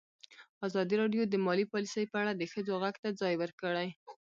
ازادي راډیو د مالي پالیسي په اړه د ښځو غږ ته ځای ورکړی.